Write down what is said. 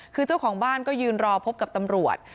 คือเจ้าของบ้านก็ยืนรอพบกับตำรวจ